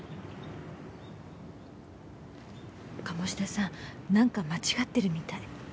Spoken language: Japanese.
鴨志田さんなんか間違ってるみたい。